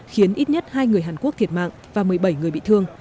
khiến ít nhất hai người hàn quốc thiệt mạng và một mươi bảy người bị thương